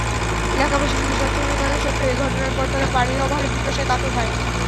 এলাকাবাসী সুখে-স্বাচ্ছন্দে থাকা সত্ত্বেও এ ঘটনার পর তারা পানির অভাবে পিপাসায় কাতর হয়।